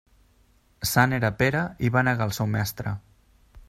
Sant era Pere i va negar el seu mestre.